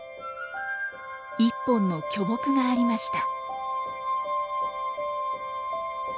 １本の巨木がありました。